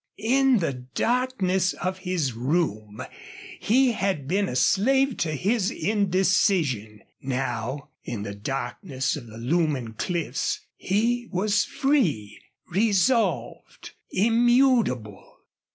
In the darkness of his room he had been a slave to his indecision; now in the darkness of the looming cliffs he was free, resolved, immutable.